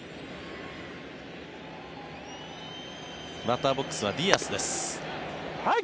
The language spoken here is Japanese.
バッターボックスはディアスです。